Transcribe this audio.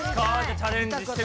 チャレンジしてみても。